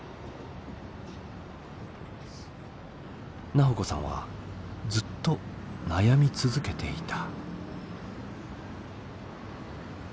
菜穂子さんはずっと悩み続けていた。